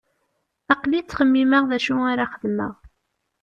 Aql-i ttxemmimeɣ d acu ara xedmeɣ.